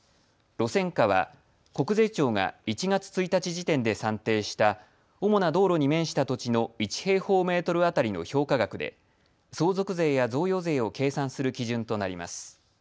路線価は国税庁が１月１日時点で算定した主な道路に面した土地の１平方メートル当たりの評価額で相続税や贈与税を計算する基準となります。